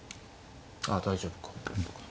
あ大丈夫か。